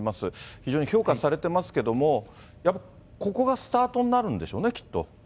非常に評価されてますけれども、やっぱここがスタートになるんでしょうね、きっと。